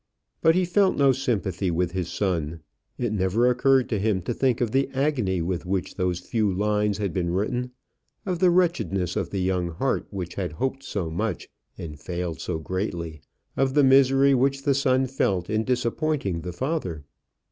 But he felt no sympathy with his son. It never occurred to him to think of the agony with which those few lines had been written; of the wretchedness of the young heart which had hoped so much and failed so greatly; of the misery which the son felt in disappointing the father.